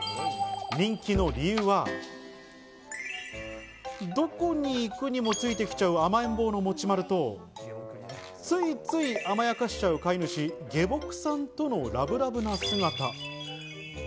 人気の理由はどこに行くにもついてきちゃう甘えん坊のもちまると、ついつい甘やかしちゃう飼い主・下僕さんとのラブラブな姿。